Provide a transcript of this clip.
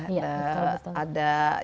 iya betul betul